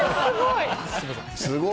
すごい。